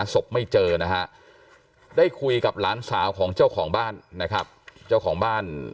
แต่ถ้ามันไม่จริงก็เสียหายนะ